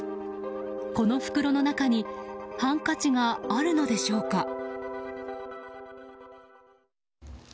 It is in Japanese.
この袋の中にハンカチがあるのでしょうか。